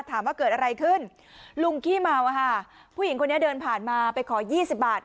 ถามว่าเกิดอะไรขึ้นลุงขี้เมาอะค่ะผู้หญิงคนนี้เดินผ่านมาไปขอยี่สิบบาท